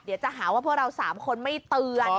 เดี๋ยวจะหาว่าพวกเรา๓คนไม่เตือน